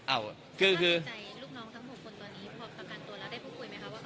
อ้าวคือคือรูดน้องทั้งหกคนตอนนี้พอประกันตัวแล้วได้พูดไหมคะ